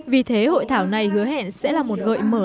vì thế hội thảo này hứa hẹn sẽ là một gợi mở